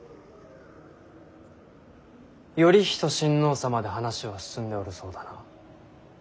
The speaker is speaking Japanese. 頼仁親王様で話は進んでおるそうだな。